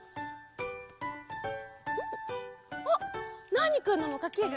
あっナーニくんのもかける？